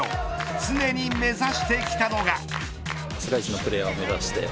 常に目指してきたのが。